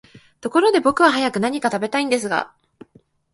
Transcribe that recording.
ところで僕は早く何か喰べたいんだが、